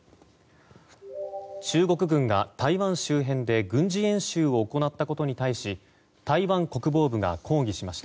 中国軍が台湾周辺で軍事演習を行ったことに対し台湾国防部が抗議しました。